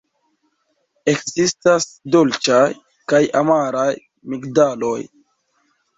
Ekzistas dolĉaj kaj amaraj migdaloj.